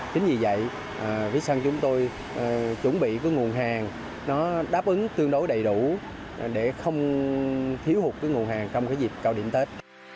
vì vậy viettel chúng tôi chuẩn bị nguồn hàng đáp ứng tương đối đầy đủ để không thiếu hụt nguồn hàng trong dịp cao điểm tết